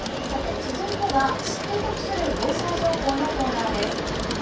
さて、続いては、知って得する防災情報のコーナーです。